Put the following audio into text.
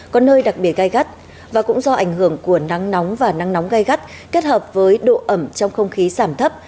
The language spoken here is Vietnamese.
có nơi đặc biệt gai gắt và cũng do ảnh hưởng của nắng nóng và nắng nóng gai gắt kết hợp với độ ẩm trong không khí giảm thấp